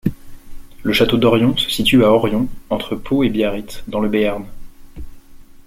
Le château d'Orion se situe à Orion, entre Pau et Biarritz, dans le Béarn.